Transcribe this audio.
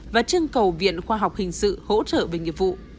và chương cầu viện khoa học hình sự hỗ trợ về nghiệp vụ